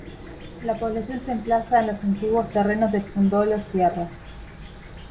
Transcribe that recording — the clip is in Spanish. La población se emplaza en los antiguos terrenos del Fundo Lo Sierra.